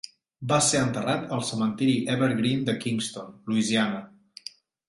Va ser enterrat al cementiri Evergreen de Kingston, Louisiana.